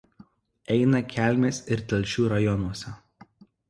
Eina Kelmės ir Telšių rajonuose.